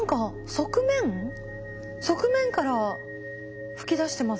側面から噴き出してます？